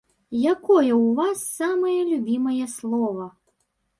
Якое ў вас самае любімае слова?